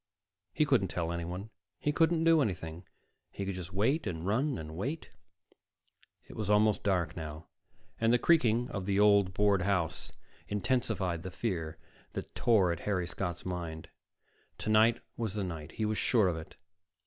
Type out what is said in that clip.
He couldn't tell anyone, he couldn't do anything. He could just wait, and run, and wait It was almost dark now and the creaking of the old board house intensified the fear that tore at Harry Scott's mind. Tonight was the night; he was sure of it.